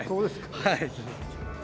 はい。